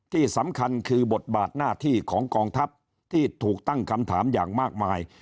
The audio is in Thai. ที่สำคัญคือบทบาทหน้าที่ของกองทัพที่ถูกตั้งคำถามอย่างมากมาย